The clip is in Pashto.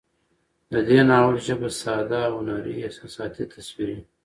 د دې ناول ژبه ساده، هنري، احساساتي، تصويري